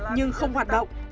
nhưng không hoạt động